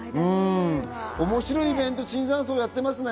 面白いイベントを椿山荘でやってますね。